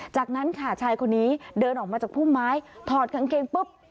จากนั้นค่ะชายคนนี้เดินออกมาจากพุ่มไม้ถอดกางเกงปุ๊บ